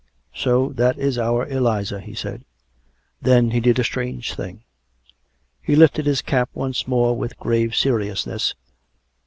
" So that is our Eliza," he said. Then he did a strange thing. He lifted his cap once more with grave seriousness.